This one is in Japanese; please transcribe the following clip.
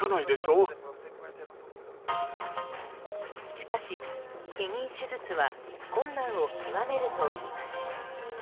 しかし、避妊手術は困難を極めるといいます。